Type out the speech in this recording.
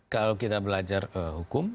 kalau kita belajar hukum